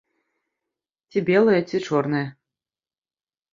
Ці белае, ці чорнае.